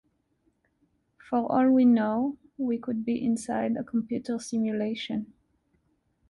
For all we know, we could be inside a computer simulation.